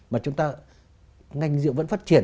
mà chúng ta ngành rượu vẫn phát triển